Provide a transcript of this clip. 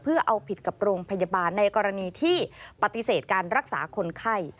เพื่อเอาผิดกับโรงพยาบาลในกรณีที่ปฏิเสธการรักษาคนไข้